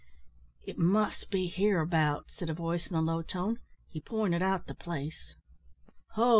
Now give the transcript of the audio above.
"It must be hereabouts," said a voice in a low tone; "he pointed out the place." "Ho!"